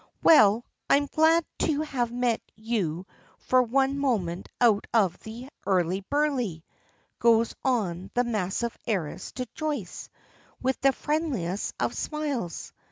"Well, I'm glad to have met you for one moment out of the hurly burly," goes on the massive heiress to Joyce, with the friendliest of smiles.